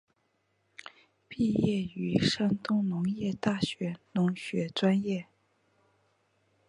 毕业于山东农业大学农学专业。